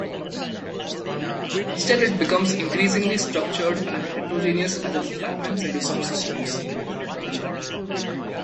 Instead it becomes increasingly structured and heterogeneous as it fragments into subsystems.